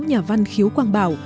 nhà văn khiếu quang bảo